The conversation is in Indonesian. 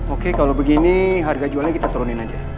oke kalau begini harga jualnya kita turunin aja